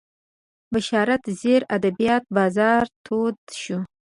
بشارت زیري ادبیات بازار تود شو